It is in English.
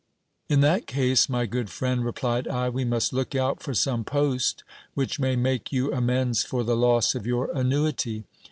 In that case, my good friend, replied I, we must look out for some post which may make you amends for the loss of your annuity.